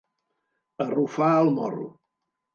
Arrufar el morro.